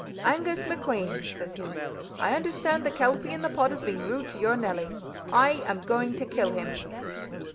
"'Angus MacQueen,' says he, 'I understand the kelpie in the pot has been rude to your Nellie. I am going to kill him.